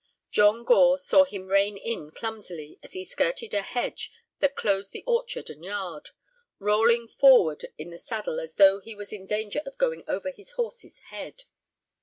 John Gore saw him rein in clumsily as he skirted a hedge that closed the orchard and yard, rolling forward in the saddle as though he was in danger of going over his horse's head.